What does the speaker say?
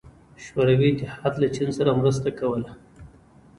شوروي اتحاد له چین سره مرسته کوله.